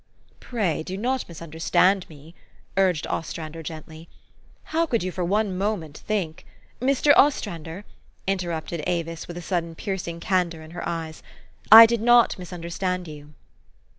"Pray do not misunderstand me," urged Ostran der gently. "How could .you for one moment think" " Mr. Ostrander," interrupted Avis, with a sud den piercing candor in her eyes, " I did not mis understand you."